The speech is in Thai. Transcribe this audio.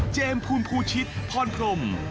เจมส์ภูมิภูชิตพรพรม